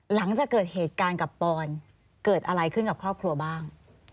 หลังจากเกิดเหตุการณ์กับปอนเกิดอะไรขึ้นกับครอบครัวบ้าง